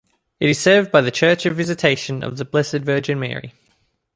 It is served by the Church of Visitation of the Blessed Virgin Mary.